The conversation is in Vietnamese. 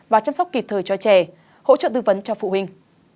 và chăm sóc kịp thời cho trẻ hỗ trợ tư vấn cho phụ huynh